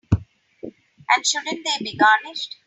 And shouldn't they be garnished?